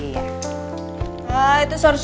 iya soalnya bukunya penuh sama filosofi